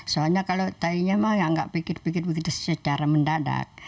soalnya kalau saya tidak pikir pikir secara mendadak